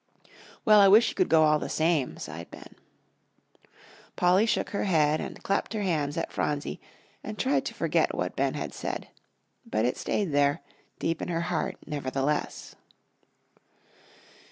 "Well, I wish you could go, all the same," sighed Ben. Polly shook her head, and clapped her hands at Phronsie, and tried to forget what Ben had said. But it stayed there, deep in her heart, nevertheless.